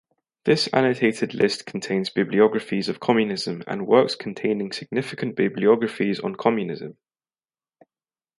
This annotated list contains bibliographies of communism and works containing significant bibliographies on communism.